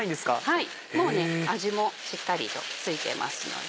はいもう味もしっかりと付いてますので。